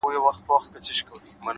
هره تجربه د پوهې نوی رنګ لري